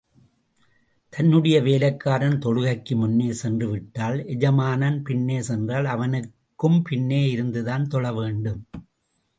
தன்னுடைய வேலைக்காரன் தொழுகைக்கு முன்னே சென்று விட்டால், எஜமானன் பின்னே சென்றால், அவனுக்கும் பின்னே இருந்துதான் தொழ வேண்டும்.